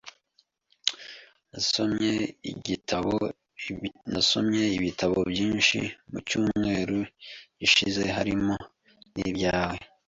Nasomye ibitabo byinshi mucyumweru gishize, harimo nibyawe.